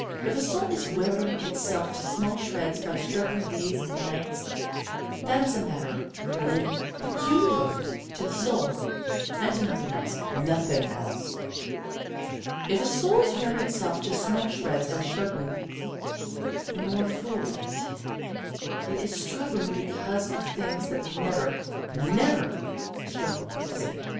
If a soul is wearing itself to small shreds by struggling days and nights, that is a matter relating peculiarly to the soul, and to nothing else, nothing else. If a soul is wearing itself to small shreds by struggling, the more fool it. It is struggling because of things that would never, never struggle because of it.